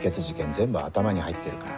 全部頭に入ってるから。